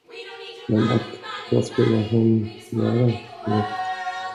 Men ack, vad skulle hon göra nu?